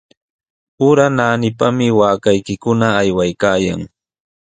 Ura naanipami waakaykikuna aywaykaayan.